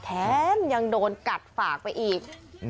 แถมยังโดนกัดฝากไปอีก